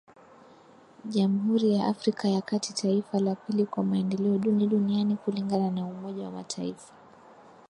Jamhuri ya Afrika ya kati taifa la pili kwa maendeleo duni duniani kulingana na umoja wa mataifa